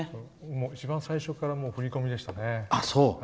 僕、一番最初から振り込みでしたね。